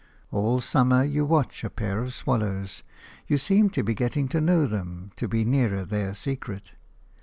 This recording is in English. All summer you watch a pair of swallows; you seem to be getting to know them, to be nearer their secret.